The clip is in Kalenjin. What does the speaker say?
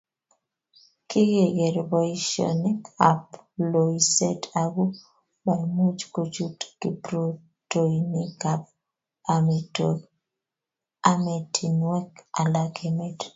kikiker boisionik ab loiset aku maimuch kochut kiprutoinikab emotinwek alak emet